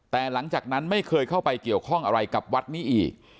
แต่หลังจากนั้นไม่เคยเข้าไปเกี่ยวข้องอะไรกับวัดนี้อีก